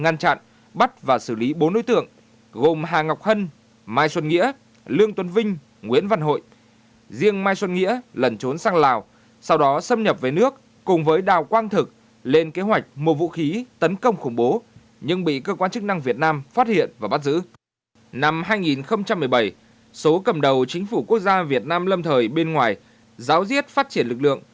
năm hai nghìn một mươi bảy số cầm đầu chính phủ quốc gia việt nam lâm thời bên ngoài giáo diết phát triển lực lượng